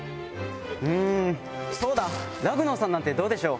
うんそうだラグノオさんなんてどうでしょう？